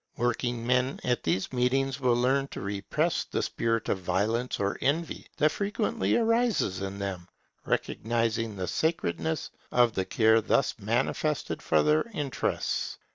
Working men at these meetings will learn to repress the spirit of violence or envy that frequently arises in them, recognizing the sacredness of the care thus manifested for their interests.